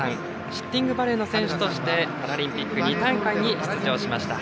シッティングバレーの選手としてパラリンピック２大会に出場しました。